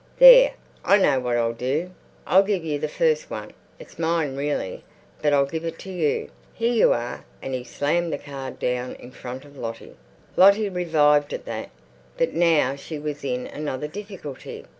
"There, I know what I'll do. I'll give you the first one. It's mine, really, but I'll give it to you. Here you are." And he slammed the card down in front of Lottie. Lottie revived at that. But now she was in another difficulty.